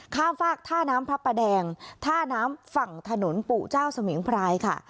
ฝากท่าน้ำพระประแดงท่าน้ำฝั่งถนนปู่เจ้าสมิงพรายค่ะ